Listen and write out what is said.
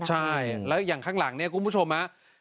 ใช่แล้วอย่างหลังคุณผู้ชมครับ